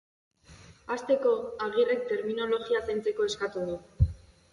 Hasteko, Agirrek terminologia zaintzeko eskatu du.